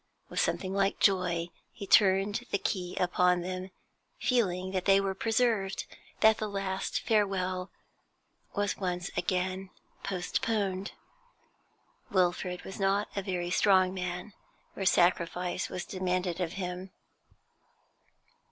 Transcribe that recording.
With something like joy he turned the key upon them, feeling that they were preserved, that the last farewell was once again postponed. Wilfrid was not a very strong man where sacrifice 'was demanded of him.